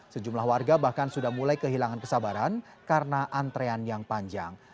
sejumlah warga bahkan sudah mulai kehilangan kesabaran karena antrean yang panjang